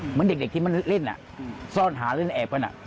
เหมือนเด็กที่มันเล่นซ่อนหาเล่นแอบกัน